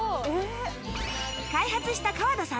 開発した川田さん